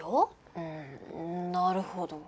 うんなるほど。